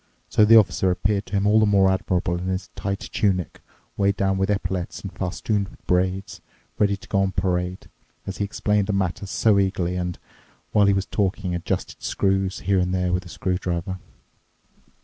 So the Officer appeared to him all the more admirable in his tight tunic weighed down with epaulettes and festooned with braid, ready to go on parade, as he explained the matter so eagerly and, while he was talking, adjusted screws here and there with a screwdriver.